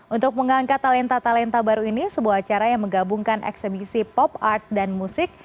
untuk mengangkat talenta talenta baru ini sebuah acara yang menggabungkan eksebisi pop art dan musik